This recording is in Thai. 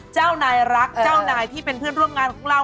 เจ้านายรักเจ้านายที่เป็นเพื่อนร่วมงานของเรา